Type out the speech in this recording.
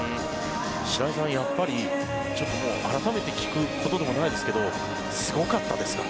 白井さん、やっぱり改めて聞くことでもないですがすごかったですか？